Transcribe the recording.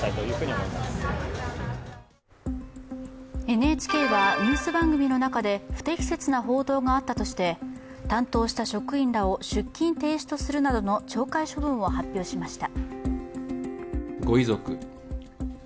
ＮＨＫはニュース番組の中で不適切な報道があったとして担当した職員らを出勤停止とするなどの懲戒処分を発表しました。